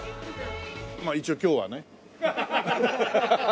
まあ一応今日はね。